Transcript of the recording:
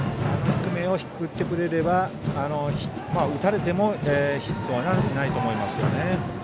低めを振ってくれれば打たれてもヒットはないと思いますよね。